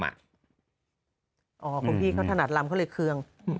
อ๋อพวกพี่เขาถนัดลำเขาเลยเคลื่อง